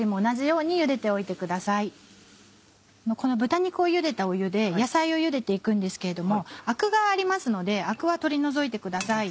この豚肉をゆでた湯で野菜をゆでて行くんですけれどもアクがありますのでアクは取り除いてください。